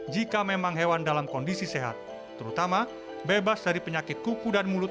jika memang hewan dalam kondisi sehat terutama bebas dari penyakit kuku dan mulut